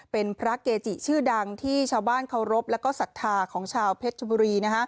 เป็นพระเกจิชื่อดังที่ชาวบ้านเคารพแล้วก็ศรัทธาของชาวเพชรชบุรี